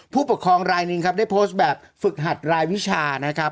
ผู้ปกครองรายหนึ่งครับได้โพสต์แบบฝึกหัดรายวิชานะครับ